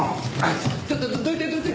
ちょっとどいてどいて！